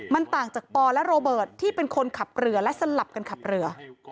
มันต่างจากปอและโรเบิร์ตที่เป็นคนขับเรือและสลับกันขับเรือ